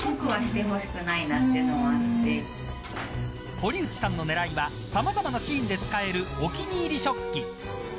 堀内さんの狙いはさまざまなシーンで使えるお気に入り食器。